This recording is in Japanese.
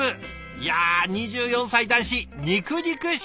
いや２４歳男子肉々しい！